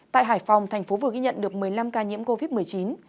tại hải phòng thành phố vừa ghi nhận được một mươi năm ca nhiễm covid một mươi chín